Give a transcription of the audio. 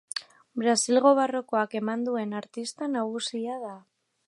Brasilgo barrokoak eman duen artista nagusia da.